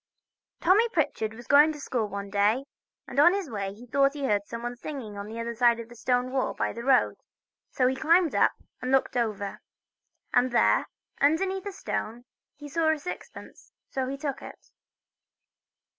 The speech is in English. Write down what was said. TOMMY PRITCHARD was going to school one day, and on his way he thought he heard somebody singing on the other side of a stone wall by the road, so he climbed up and looked over, and there underneath a stone he saw a sixpence, so he took it.